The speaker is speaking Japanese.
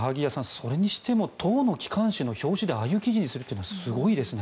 それにしても党の機関誌の表紙でああいう記事にするというのはすごいですね。